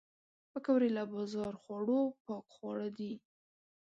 پکورې له بازار خوړو پاک خواړه دي